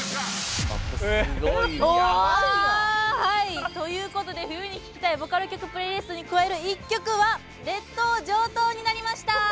はいということで冬に聴きたいボカロ曲プレイリストに加える一曲は「劣等上等」になりました！